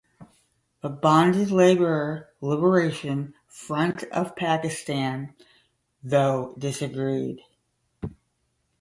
The Bonded Labor Liberation Front of Pakistan, though, disagreed.